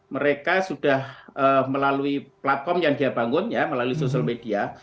mereka sudah melalui platform yang dia bangun ya melalui sosial media